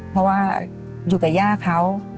เพราะว่าอยู่กับย่าเขา